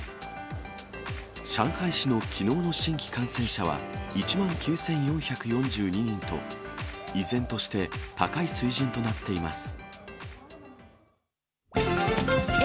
上海市のきのうの新規感染者は１万９４４２人と、依然として高い水準となっています。